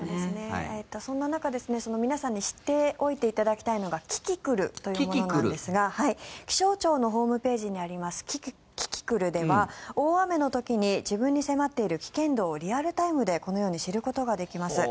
そんな中、皆さんに知っておいていただきたいのがキキクルというものなんですが気象庁のホームページにあるキキクルでは大雨の時に自分に迫っている危険度をリアルタイムでこのように知ることができます。